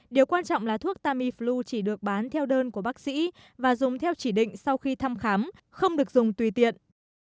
điều quan trọng là thuốc tamiflu chỉ được bán theo đơn của bác sĩ và dùng theo chỉ định sau khi thăm khám không được dùng tùy tiện